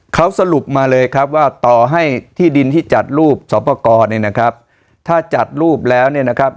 เขาสรุปมาเลยครับว่าต่อให้ที่ดินที่จัดรูปสอบประกอบเนี่ยนะครับถ้าจัดรูปแล้วเนี่ยนะครับ